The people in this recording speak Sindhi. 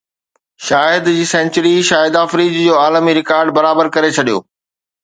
شهزاد جي سينچري شاهد فريدي جو عالمي رڪارڊ برابر ڪري ڇڏيو